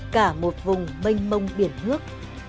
cả một vùng mênh mông biển nước